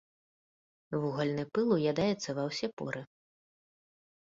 Вугальны пыл ўядаецца ва ўсе поры.